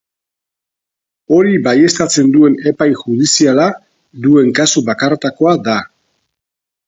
Hori baieztatzen duen epai judiziala duen kasu bakarretakoa da.